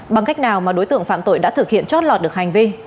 bằng cách nào mà đối tượng phạm tội đã thực hiện chót lọt được hành vi